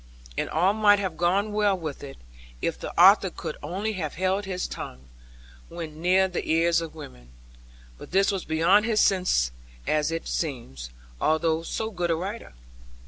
And all might have gone well with it, if the author could only have held his tongue, when near the ears of women. But this was beyond his sense as it seems, although so good a writer.